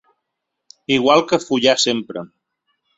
Igual que ‘Follar sempre’.